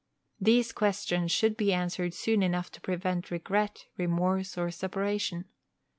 These questions should be answered soon enough to prevent regret, remorse, or separation.